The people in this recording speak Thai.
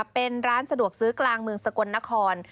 เป็นร้านสะดวกซื้อกลางเมืองสกลนคร